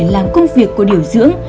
làm công việc của điều dưỡng